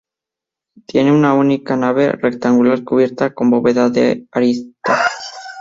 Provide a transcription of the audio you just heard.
Tiene una única nave rectangular cubierta con bóveda de arista.